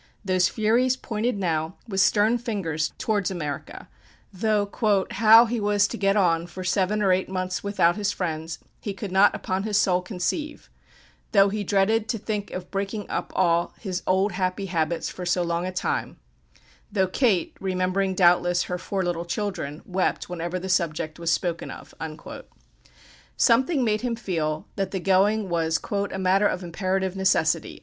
Those furies pointed now with stern fingers towards America, though "how" he was "to get on" "for seven or eight months without" his friends, he could not upon his "soul conceive;" though he dreaded "to think of breaking up all" his "old happy habits for so long a time;" though "Kate," remembering doubtless her four little children, wept whenever the subject was "spoken of." Something made him feel that the going was "a matter of imperative necessity."